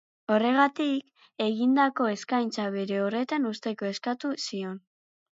Horregatik, egindako eskaintza bere horretan uzteko eskatu zion.